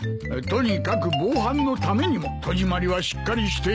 とにかく防犯のためにも戸締まりはしっかりして。